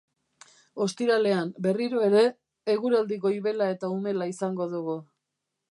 Ostiralean, berriro ere, eguraldi goibela eta umela izango dugu.